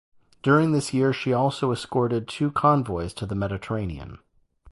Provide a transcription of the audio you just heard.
During this year she also escorted two convoys to the Mediterranean.